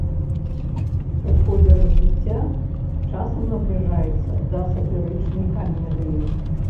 У ходзе развіцця часам набліжаецца да сатырычнай камедыі.